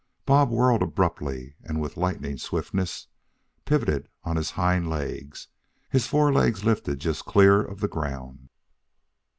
Bob whirled abruptly and with lightning swiftness, pivoting on his hind legs, his fore legs just lifted clear of the ground.